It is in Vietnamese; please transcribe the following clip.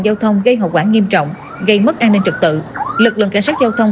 giao thông gây hậu quả nghiêm trọng gây mất an ninh trực tự lực lượng cảnh sát giao thông